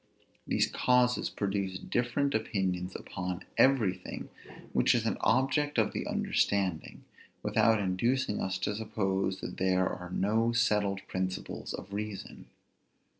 These causes produce different opinions upon everything which is an object of the understanding, without inducing us to suppose that there are no settled principles of reason.